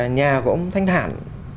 nhà của ông thanh thản